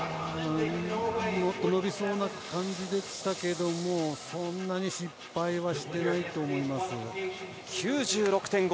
伸びそうな感じでしたけどもそんなに失敗はしていないと思います。